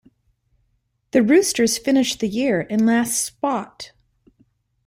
The Roosters finished the year in last spot.